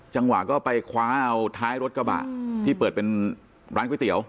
จังหวะก็ไปคว้าเอาท้ายรถกระบะที่เปิดเป็นร้านก๋วยเตี๋ยว